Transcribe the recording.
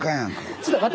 ちょっと私。